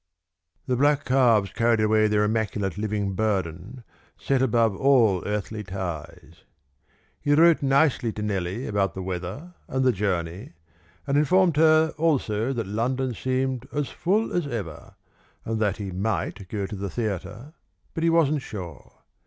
The black calves carried away their immaculate living burden, set above all earthly ties. He wrote nicely to Nellie about the weather and the journey, and informed her also that London seemed as full as ever, and that he might go to the theatre, but he wasn't sure.